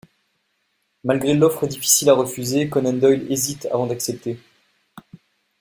Malgré l'offre difficile à refuser, Conan Doyle hésite avant d'accepter.